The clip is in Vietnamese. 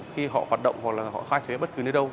khi họ hoạt động hoặc là họ khai thuế ở bất cứ nơi đâu